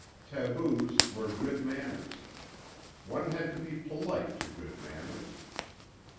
Taboos were good manners. One had to be polite to good manners.